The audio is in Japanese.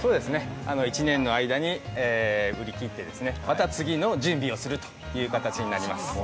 １年の間に売り切って、また次の準備をするという形になります。